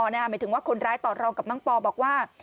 หมายถึงว่าคนร้ายต่อรองกับน้องปอบอกว่า